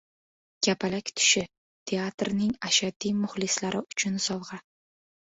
“Kapalak tushi” – teatrning ashaddiy muxlislari uchun sovg‘a